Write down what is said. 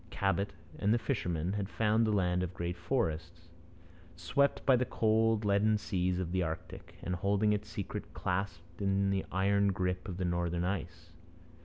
Cabot and the fishermen had found a land of great forests, swept by the cold and leaden seas of the Arctic, and holding its secret clasped in the iron grip of the northern ice.